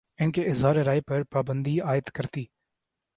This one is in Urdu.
ان کے اظہارِ رائے پر پابندی عائدکرتی